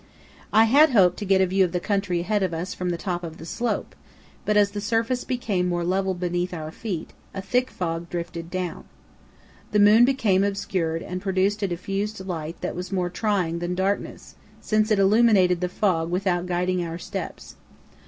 I had hoped to get a view of the country ahead of us from the top of the slope, but as the surface became more level beneath our feet, a thick fog drifted down. The moon became obscured and produced a diffused light that was more trying than darkness, since it illuminated the fog without guiding our steps.